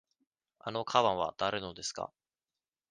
あのかばんはだれのですか。